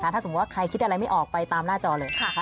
ถ้าสมมุติว่าใครคิดอะไรไม่ออกไปตามหน้าจอเลย